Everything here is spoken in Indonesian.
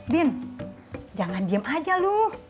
bin jangan diem aja loh